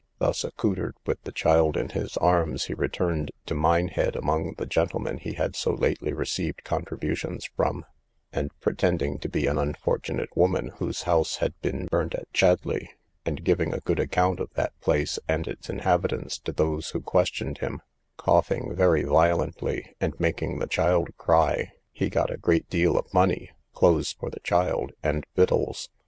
Thus accoutred, with the child in his arms, he returned to Minehead among the gentlemen he had so lately received contributions from; and pretending to be an unfortunate woman, whose house had been burnt at Chadleigh, and giving a good account of that place and its inhabitants to those who questioned him, coughing very violently, and making the child cry, he got a great deal of money, clothes for the child, and victuals.